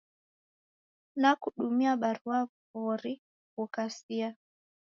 Nikudumia barua mori ghukasia.